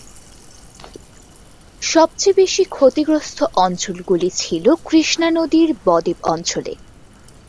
সবচেয়ে বেশি ক্ষতিগ্রস্ত অঞ্চলগুলি ছিল কৃষ্ণা নদীর বদ্বীপ অঞ্চলে।